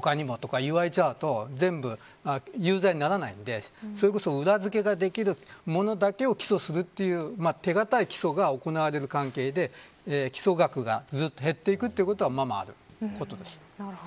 他にもとか言われちゃうと全部、有罪にならないのでそれこそ、裏付けができるものだけを起訴するという手堅い起訴が行われる関係で起訴額がずっと減っていくということはままあることです。